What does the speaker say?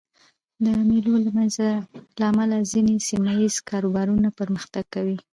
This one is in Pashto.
د مېلو له امله ځيني سیمه ییز کاروبارونه پرمختګ کوي.